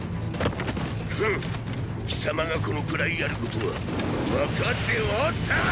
フン貴様がこのくらいやることは分かっておったわ！！